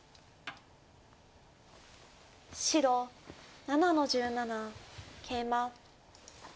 白７の十七ケイマ。